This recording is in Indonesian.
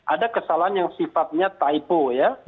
ada kesalahan yang sifatnya typo ya